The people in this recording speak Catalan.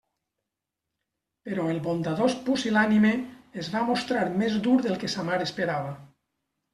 Però el bondadós pusil·lànime es va mostrar més dur del que sa mare esperava.